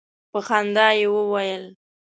په خندا یې وویل.